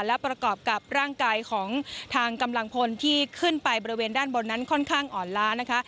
และประกอบกับร่างกายของทางกำลังพลที่ขึ้นไปบริเวณด้านบนนั้นค่อนข้างอ่อนล้านะคะ